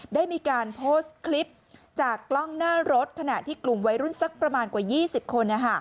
ได้มีการโพสต์คลิปจากกล้องหน้ารถขณะที่กลุ่มวัยรุ่นสักประมาณกว่า๒๐คน